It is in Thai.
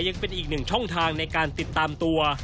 ยังเป็นอีกหนึ่งช่องทางในการติดตามตัว